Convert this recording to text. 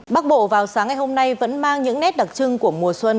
bắc bộ vào sáng ngày hôm nay vẫn mang những nét đặc trưng của mùa xuân